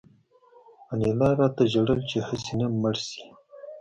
انیلا راته ژړل چې هسې نه مړ شې